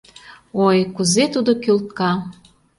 Ой, кузе тудо кӱлтка...